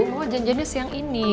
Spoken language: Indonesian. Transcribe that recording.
mama janjainnya siang ini